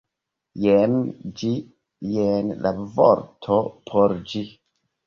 Jen ĝi, jen la vorto por ĝi